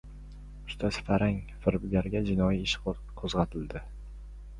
Ustasi farang firibgarga jinoiy ish qo‘zg‘atildi